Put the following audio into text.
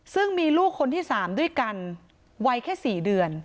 ซึ่งมีลูกคนที่๓ด้วยกันวัยแค่๔เดือน